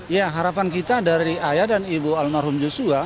ya harapan kita dari ayah dan ibu almarhum joshua